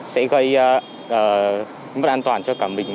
sẽ gây mất an toàn cho cả mình